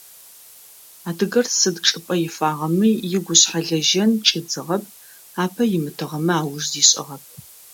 Адыгэр сыд чӏыпӏэ ифагъэми игушъхьэ лэжьэн чӏидзыгъэп, апэ имытыгъэмэ, ауж зишӏыгъэп.